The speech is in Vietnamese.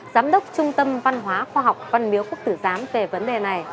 giám đốc trung tâm văn hóa khoa học văn miếu quốc tử giám về vấn đề này